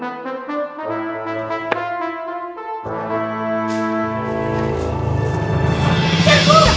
ini kita lihat